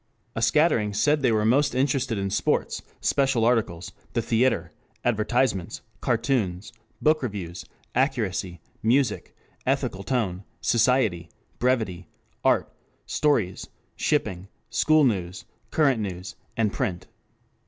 A scattering said they were most interested in sports, special articles, the theatre, advertisements, cartoons, book reviews, "accuracy," music, "ethical tone," society, brevity, art, stories, shipping, school news, "current news," print.